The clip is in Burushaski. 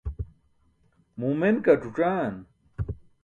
Muu men ke ac̣uc̣aan.